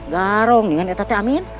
garong dengan etatnya amin